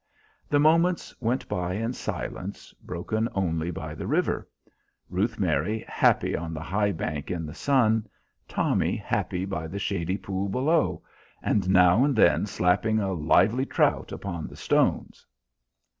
The moments went by in silence, broken only by the river; Ruth Mary happy on the high bank in the sun, Tommy happy by the shady pool below, and now and then slapping a lively trout upon the stones.